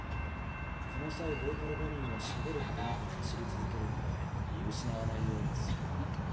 「この際ヴォーパルバニーはしゃべることなく走り続けるので見失わないようにすること。